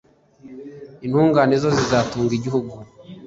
intungane zo zizatunga igihugu